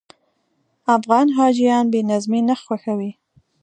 افغان حاجیان بې نظمي نه خوښوي.